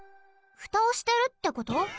フタをしてるってこと？